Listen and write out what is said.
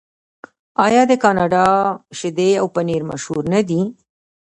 آیا د کاناډا شیدې او پنیر مشهور نه دي؟